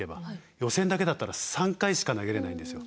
予選だけだったら３回しか投げれないんですよ。